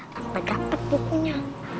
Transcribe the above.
sampai dapet bukunya